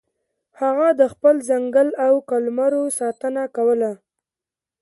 هغه د خپل ځنګل او قلمرو ساتنه کوله.